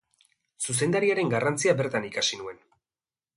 Zuzendariaren garrantzia bertan ikasi nuen.